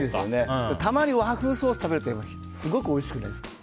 たまに和風ソース食べるとすごくおいしくないですか。